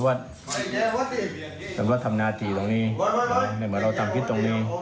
โอ้ยเนี่ยค่ะก็